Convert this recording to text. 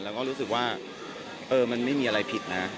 แล้วก็รู้สึกว่ามันไม่มีอะไรผิดนะ